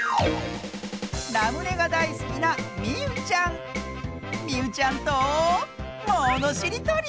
ラムネがだいすきなみうちゃんとものしりとり！